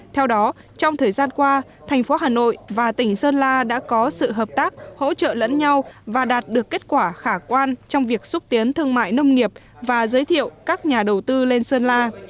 theo đó trong thời gian qua thành phố hà nội và tỉnh sơn la đã có sự hợp tác hỗ trợ lẫn nhau và đạt được kết quả khả quan trong việc xúc tiến thương mại nông nghiệp và giới thiệu các nhà đầu tư lên sơn la